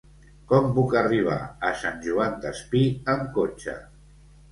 Com puc arribar a Sant Joan Despí amb cotxe?